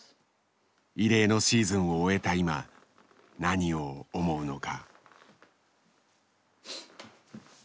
異例のシーズンを終えた今何を思うのか。